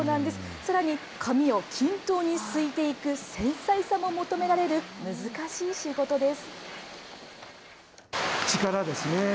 さらに紙を均等にすいていく繊細さも求められる難しい仕事です。